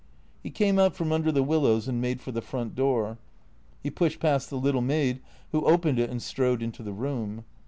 He came out from under the willows and made for the front door. He pushed past the little maid who opened it and strode into the room.